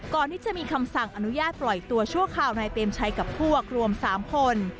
ก่อนที่จะมีคำสั่งอนุญาตปล่อยตัวชั่วคราวนายเปรมชัยกับพวกรวม๓คน